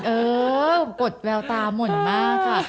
เออกดแววตาม่นมากค่ะ